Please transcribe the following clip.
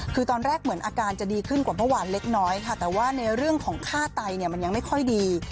คือตอนแรกเหมือนอาการจะดีขึ้นกว่าเมื่อวานเล็กน้อยค่ะแต่ว่าในเรื่องของค่าไตเนี่ยมันยังไม่ค่อยดี